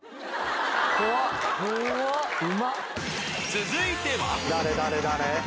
［続いては］